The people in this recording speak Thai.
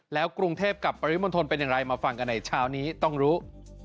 แล้วกรุงเทพกับปริมณฑลเป็นอย่างไรมาฟังกันในเช้านี้ต้องรู้